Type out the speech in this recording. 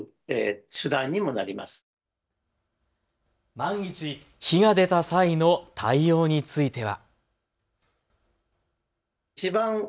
万一、火が出た際の対応については。